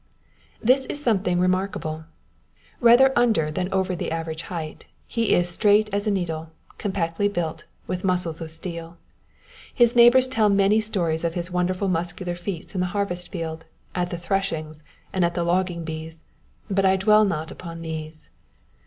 This is something remarkable. Rather under than over the average height, he is straight as a needle, compactly built, with muscles of steel. His neighbors tell many stories of his wonderful muscular feats in the harvest field, at the threshings, and at the logging bees; but I dwell not upon these.